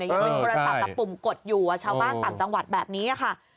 มีอุปสรรคปุ่มกดอยู่จากชาวบ้านต่างจังหวัดแบบนี้ค่ะ